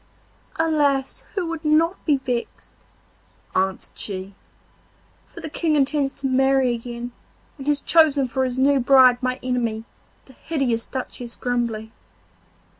'Alas! who would not be vexed?' answered she, 'for the King intends to marry again, and has chosen for his new bride my enemy, the hideous Duchess Grumbly.